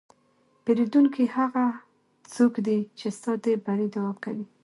پیرودونکی هغه څوک دی چې ستا د بری دعا کوي.